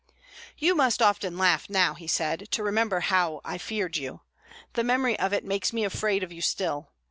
"You must often laugh now," he said, "to remember how I feared you. The memory of it makes me afraid of you still.